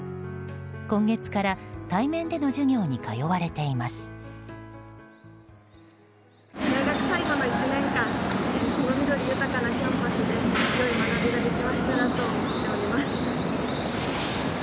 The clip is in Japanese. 今月から対面での授業に通われています。